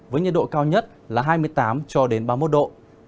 với nhiệt độ cao nhất là hai mươi tám cho đến ba mươi một độ